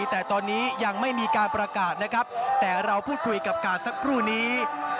แต่ตอนนี้ยังไม่มีการประกาศนะครับแต่เราพูดคุยกับการสักครู่นี้